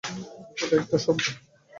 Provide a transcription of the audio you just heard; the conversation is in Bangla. এটা একটা শব্দ।